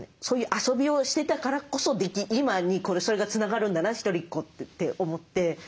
そういう遊びをしてたからこそ「今にそれがつながるんだなひとりっ子」って思って。